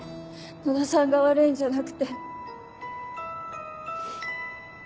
野田さんが悪いんじゃなくて。